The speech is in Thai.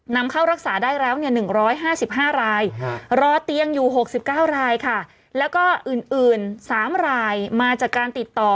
นำเข้ารักษาได้แล้ว๑๕๕รายรอเตียงอยู่๖๙รายค่ะแล้วก็อื่น๓รายมาจากการติดต่อ